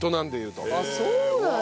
あっそうなんだ！